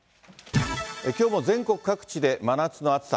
きょうも全国各地で真夏の暑さ。